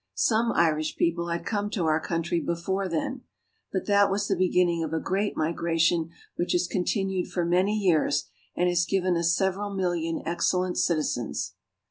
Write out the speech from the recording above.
Some Irish people had come to our country before then, but that was the beginning of a great migration which has continued for many years and has given us several million excellent citizens.